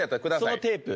そのテープ。